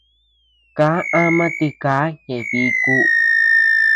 Kaa ama tika ñeʼe biku.